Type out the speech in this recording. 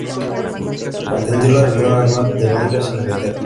Atendió la Reunión Anual de Londres, Inglaterra.